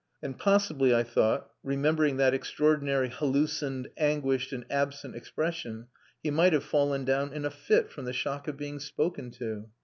And possibly, I thought, remembering that extraordinary hallucined, anguished, and absent expression, he might have fallen down in a fit from the shock of being spoken to.